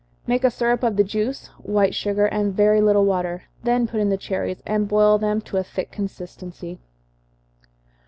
Make a syrup of the juice, white sugar, and very little water, then put in the cherries, and boil them to a thick consistency.